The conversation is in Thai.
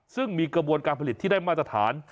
ซึ่งมีกระบวนการผลิตที่ได้มาตรฐาน